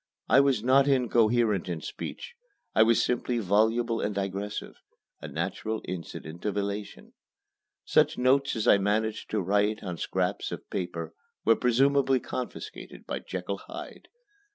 I was not incoherent in speech. I was simply voluble and digressive a natural incident of elation. Such notes as I managed to write on scraps of paper were presumably confiscated by Jekyll Hyde.